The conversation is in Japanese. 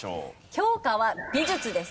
教科は美術です。